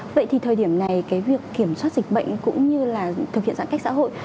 vậy thì thời điểm này cái việc kiểm soát dịch bệnh cũng như là thực hiện giãn cách xã hội